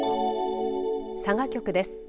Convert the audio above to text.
佐賀局です。